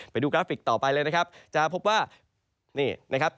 ไปดูกราฟิกต่อไปเลยนะครับจะพบว่านี่นะครับ